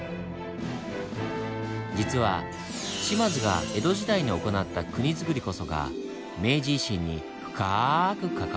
実は島津が江戸時代に行った国づくりこそが明治維新に深く関わっているんです。